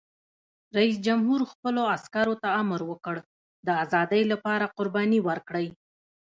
رئیس جمهور خپلو عسکرو ته امر وکړ؛ د ازادۍ لپاره قرباني ورکړئ!